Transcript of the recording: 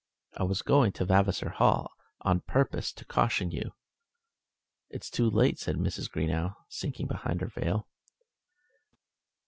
"I was going to Vavasor Hall, on purpose to caution you." "It's too late," said Mrs. Greenow, sinking behind her veil.